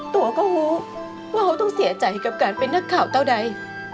ตัวก็รู้ว่าเขาต้องเสียใจกับการเป็นนักข่าวเท่าใด